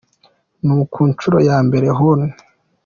Ni ku nshuro ya mbere Hon.